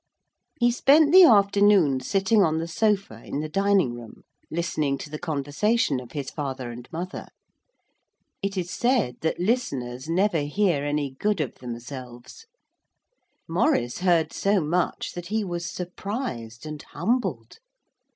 He spent the afternoon sitting on the sofa in the dining room, listening to the conversation of his father and mother. It is said that listeners never hear any good of themselves. Maurice heard so much that he was surprised and humbled.